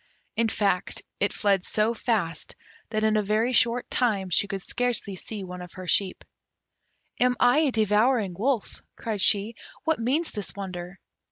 In fact, it fled so fast that in a very short time she could scarcely see one of her sheep. "Am I a devouring wolf?" cried she: "what means this wonder?"